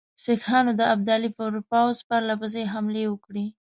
سیکهانو د ابدالي پر پوځ پرله پسې حملې وکړې.